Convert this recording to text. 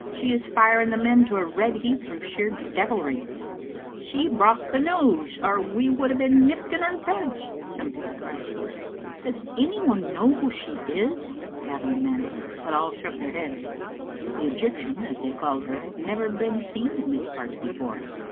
She is firing the men to a red heat through sheer devilry." " She brocht the news, or we would have been nipped in our beds," some people cried. " Does any one know who she is?" Gavin demanded, but all shook their heads. The Egyptian, as they called her, had never been seen in these parts before.